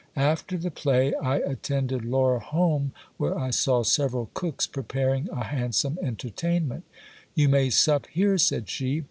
After the play I attended Laura home, where I saw several cooks preparing a hand some entertainment. You may sup here, said she.